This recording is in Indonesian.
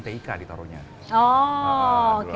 tik ditaruhnya oh oke